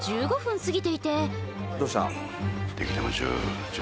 どうした？